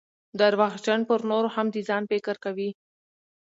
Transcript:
درواغجن پرنورو هم دځان فکر کوي